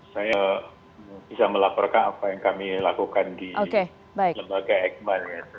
saya bisa melaporkan apa yang kami lakukan di lembaga eijkman